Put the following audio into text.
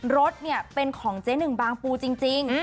รถเนี่ยเป็นของเจ๊หนึ่งบางปูจริง